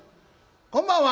こんばんは。